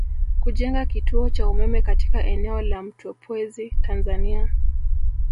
Kujenga kituo cha umeme katika eneo la Mtepwezi Tanzania